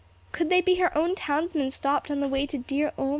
Could they be her own townsmen stopped on the way to dear Ulm?